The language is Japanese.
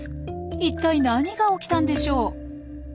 いったい何が起きたんでしょう？